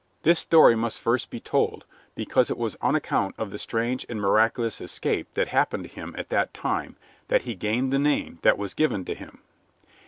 This story must first be told, because it was on account of the strange and miraculous escape that happened to him at that time that he gained the name that was given to him.